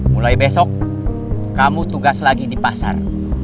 mulai besok kamu tugas lagi di pasar